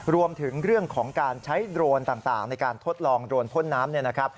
รวมถึงเรื่องของการใช้โดรนต่างในการทดลองโดรนพ่นน้ำ